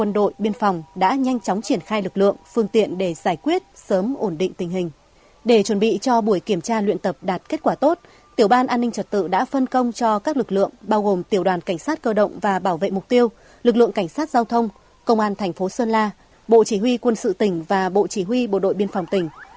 để chuẩn bị cho buổi kiểm tra luyện tập đạt kết quả tốt tiểu ban an ninh trật tự đã phân công cho các lực lượng bao gồm tiểu đoàn cảnh sát cơ động và bảo vệ mục tiêu lực lượng cảnh sát giao thông công an thành phố sơn la bộ chỉ huy quân sự tỉnh và bộ chỉ huy bộ đội biên phòng tỉnh